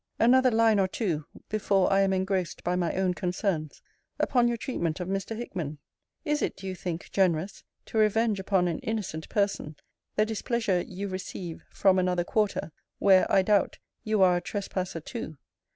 Another line or two, before I am engrossed by my own concerns upon your treatment of Mr. Hickman. Is it, do you think, generous to revenge upon an innocent person, the displeasure you receive from another quarter, where, I doubt, you are a trespasser too?